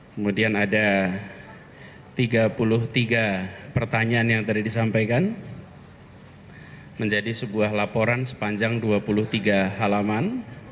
kemudian ada tiga puluh tiga pertanyaan yang tadi disampaikan menjadi sebuah laporan sepanjang dua puluh tiga halaman